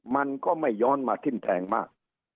มันก็ไม่ย้อนมาทิ้มแทงมาก